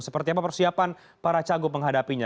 seperti apa persiapan para cagup menghadapinya